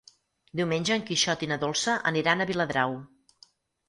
Diumenge en Quixot i na Dolça aniran a Viladrau.